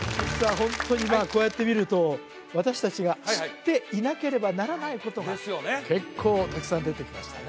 ホントにこうやって見ると私達が知っていなければならないことが結構たくさん出てきましたね